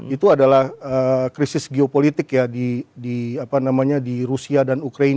itu adalah krisis geopolitik ya di rusia dan ukraina